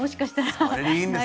それでいいんです。